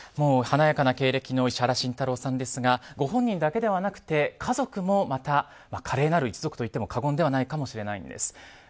華やかな経歴の石原慎太郎さんですがご本人だけではなくて家族もまた華麗なる一族と言っても過言ではないかもしれないです。